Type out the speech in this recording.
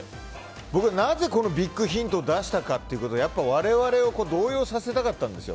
なぜこのビッグヒントを出したかってことで、我々を動揺させたかったんですよ。